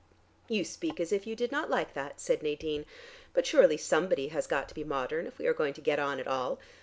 "You speak as if you did not like that," said Nadine; "but surely somebody has got to be modern if we are going to get on at all.